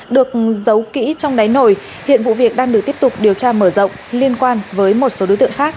được giấu kỹ trong đáy nổi hiện vụ việc đang được tiếp tục điều tra mở rộng liên quan với một số đối tượng khác